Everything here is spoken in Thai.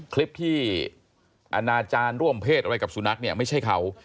คลิปที่อาณาจารย์ร่วมเพศกับสุนัขไม่ใช่เขา